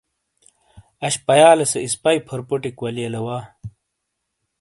اَش پَیالے سے اِسپائی فورپوٹِیک ولئیلے وا۔